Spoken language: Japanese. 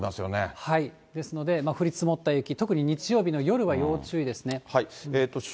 ですので、降り積もった雪、特に日曜日の夜は要注意ですね。